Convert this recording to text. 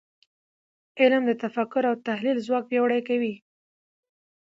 علم د تفکر او تحلیل ځواک پیاوړی کوي .